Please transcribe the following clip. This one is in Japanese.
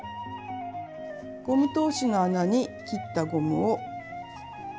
ゴム通しの穴に切ったゴムを通します。